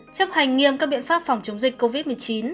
chấp hành nghiêm các biện pháp phòng chống dịch covid một mươi chín